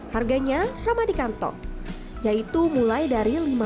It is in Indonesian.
harganya ramah di kantong yaitu mulai dari lima belas rupiah